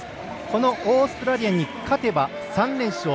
オーストラリアに勝てば３連勝。